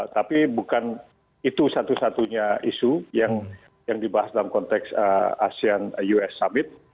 tapi bukan itu satu satunya isu yang dibahas dalam konteks asean us summit